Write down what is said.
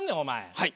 はい。